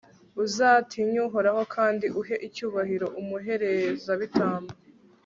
uzatinye uhoraho, kandi uhe icyubahiro umuherezabitambo